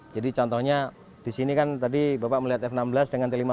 jadi contohnya di sini kan tadi bapak melihat f enam belas dengan t lima puluh